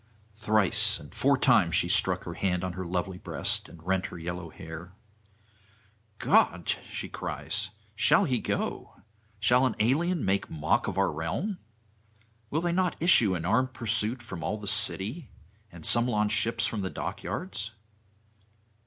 Thrice and four times she struck her hand on her lovely breast and rent her yellow hair: 'God!' she cries, 'shall he go? shall an alien make mock of our realm? Will they not issue in armed pursuit from all the city, and some launch ships from the dockyards?